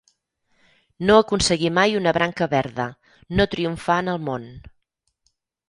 No aconseguir mai una branca verda; no triomfar en el món.